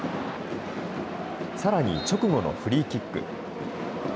さらに直後のフリーキック。